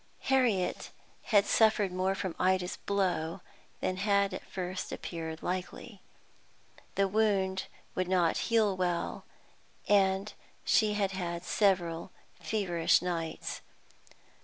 Harriet had suffered more from Ida's blow than had at first appeared likely. The wound would not heal well, and she had had several feverish nights.